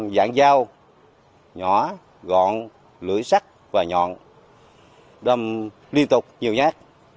dạng dao nhỏ gọn lưỡi sắt và nhọn đâm liên tục nhiều nhát